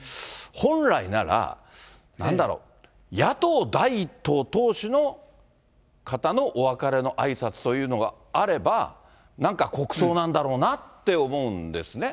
本来なら、なんだろう、野党第１党党首の方のお別れのあいさつというのがあれば、なんか国葬なんだろうなって思うんですね。